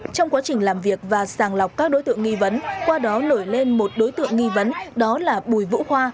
trong quá trình làm việc và sàng lọc các đối tượng nghi vấn qua đó nổi lên một đối tượng nghi vấn đó là bùi vũ khoa